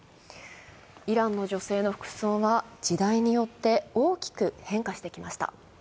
イランの女性の服装は時代によって大きく変化してきました。